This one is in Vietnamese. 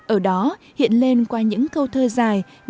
ở đó hiện lên qua những câu thơ dạng